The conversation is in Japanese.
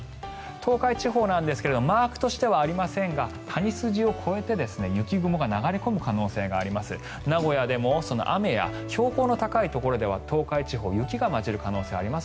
東海地方なんですがマークとしてはありませんが谷筋を越えて、雪雲が流れ込む可能性があります。